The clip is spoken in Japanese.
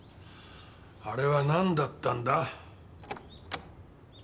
あれは何だったんだ？